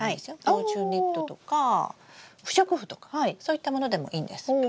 防虫ネットとか不織布とかそういったものでもいいんです。